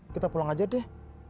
kita pulang aja deh